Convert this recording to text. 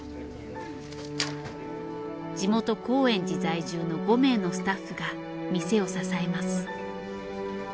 地元高円寺在住の５名のスタッフが店を支えます。